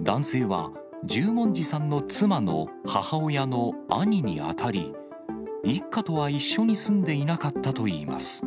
男性は、十文字さんの妻の母親の兄に当たり、一家とは一緒に住んでいなかったといいます。